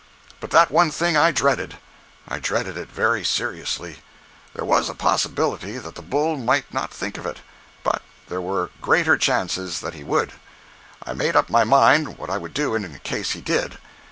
But that one thing I dreaded. I dreaded it very seriously. There was a possibility that the bull might not think of it, but there were greater chances that he would. I made up my mind what I would do in case he did.